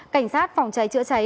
cảnh sát phòng cháy chữa cháy